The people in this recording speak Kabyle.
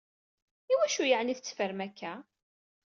Iwacu yeɛni tetteffrem akka?